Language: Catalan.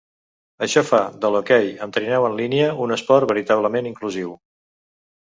Això fa de l'hoquei amb trineu en línia un esport veritablement inclusiu.